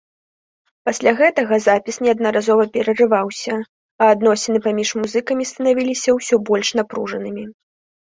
Пасля гэтага запіс неаднаразова перарываўся, а адносіны паміж музыкамі станавіліся ўсе больш напружанымі.